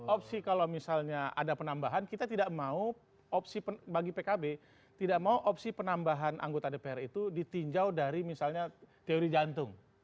opsi kalau misalnya ada penambahan kita tidak mau opsi bagi pkb tidak mau opsi penambahan anggota dpr itu ditinjau dari misalnya teori jantung